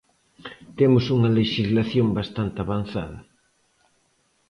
Temos unha lexislación bastante avanzada.